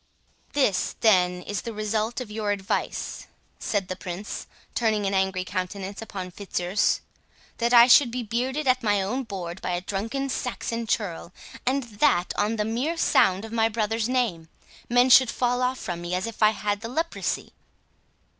"This, then, is the result of your advice," said the Prince, turning an angry countenance upon Fitzurse; "that I should be bearded at my own board by a drunken Saxon churl, and that, on the mere sound of my brother's name, men should fall off from me as if I had the leprosy?"